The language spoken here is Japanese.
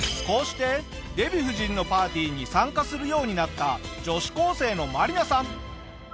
こうしてデヴィ夫人のパーティーに参加するようになった女子高生のマリナさん。